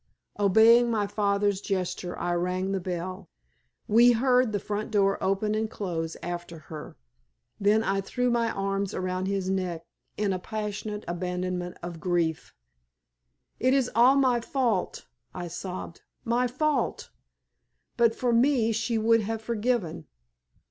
Obeying my father's gesture, I rang the bell. We heard the front door open and close after her. Then I threw my arms around his neck in a passionate abandonment of grief. "It is all my fault," I sobbed "my fault! But for me she would have forgiven."